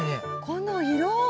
この色！